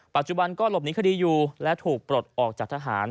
ปัจจุบันก็หลบหนีคดีอยู่และถูกปลดออกจากทหาร